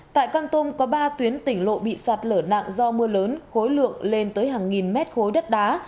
tại con tum có ba tuyến tỉnh lộ bị sạt lở nặng do mưa lớn khối lượng lên tới hàng nghìn mét khối đất đá